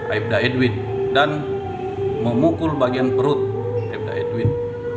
aibda edwin dan memukul bagian perut ibda edwin